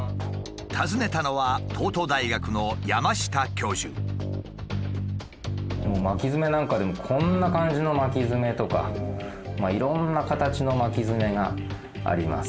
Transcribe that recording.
訪ねたのは巻きヅメなんかでもこんな感じの巻きヅメとかいろんな形の巻きヅメがあります。